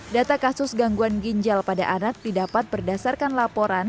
data kasus gangguan ginjal pada anak didapat berdasarkan laporan